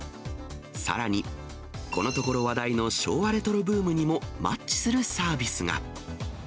さらに、このところ話題の昭和レトロブームにもマッチするサービスが。